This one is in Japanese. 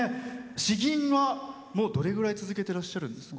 詩吟はどれぐらい続けていらっしゃるんですか？